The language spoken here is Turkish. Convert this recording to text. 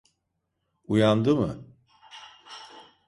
Uyandı mı?